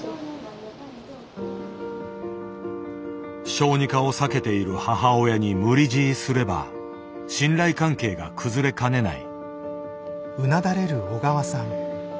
小児科を避けている母親に無理強いすれば信頼関係が崩れかねない。